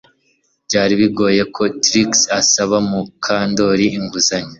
Byari bigoye ko Trix asaba Mukandoli inguzanyo